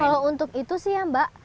kalau untuk itu sih ya mbak